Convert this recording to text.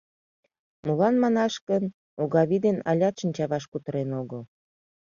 Молан манаш гын, Огавий ден алят шинчаваш кутырен огыл.